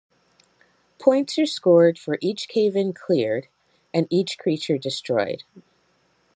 Points are scored for each cave-in cleared and each creature destroyed.